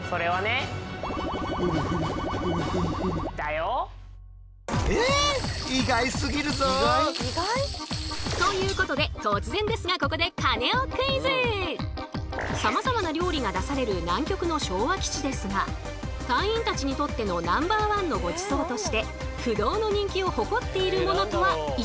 金額にするとということで突然ですがここでさまざまな料理が出される南極の昭和基地ですが隊員たちにとってのナンバーワンのごちそうとして不動の人気を誇っているものとは一体何でしょう？